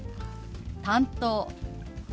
「担当」。